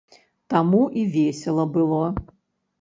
Таму і весела было.